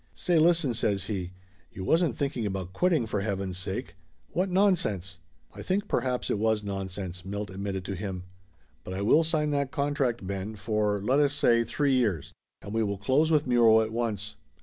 "Say listen!" says he. "You wasn't thinking about quitting, for heaven's sake? What nonsense!" "I think perhaps it was nonsense !" Milt admitted to him. "But I will sign that contract, Ben, for, let us say, three years. And we will close with Muro at once.